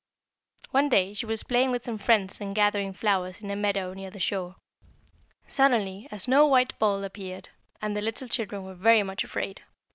One day she was playing with some friends and gathering flowers in a meadow near the seashore. Suddenly a snow white bull appeared, and the little children were very much afraid.